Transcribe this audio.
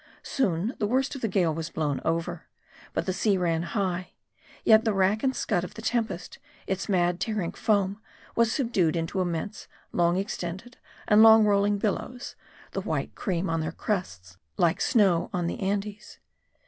Soon, the worst of the gale was blown over. But the sea ran high. Yet the rack and scud of the tempest, its mad, tearing foam, was subdued into immense, long extended, and long rolling billows ; the white cream on their crests like snow on the Andes.